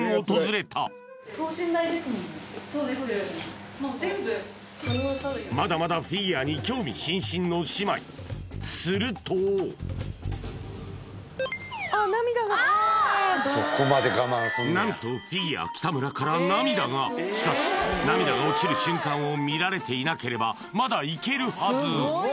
そしてまだまだフィギュアに興味津々の姉妹すると何とフィギュア・北村から涙がしかし涙が落ちる瞬間を見られていなければまだいけるはず！